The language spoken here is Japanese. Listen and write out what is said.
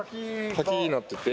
滝になってて。